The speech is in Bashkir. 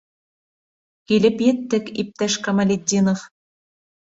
Килеп еттек, иптәш Камалетдинов.